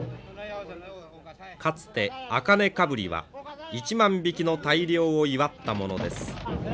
かつて茜かぶりは１万匹の大漁を祝ったものです。